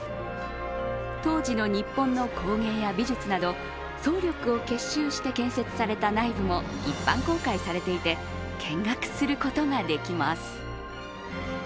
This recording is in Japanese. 当時の日本の工芸や美術など総力を結集して建設された内部も一般公開されていて見学することができます。